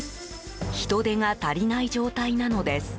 人手が足りない状態なのです。